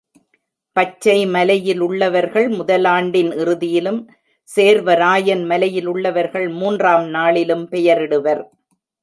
பச்சை மலையிலுள்ளவர்கள் முதல் ஆண்டின் இறுதியிலும், சேர்வராயன் மலையிலுள்ளவர்கள் மூன்றாம் நாளிலும் பெயரிடுவர்.